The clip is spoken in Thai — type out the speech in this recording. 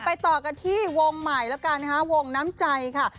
ต่อกันที่วงใหม่แล้วกันนะคะวงน้ำใจค่ะ